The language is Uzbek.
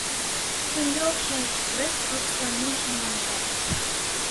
Shunga o‘xshash, biz Pokistonning shimolida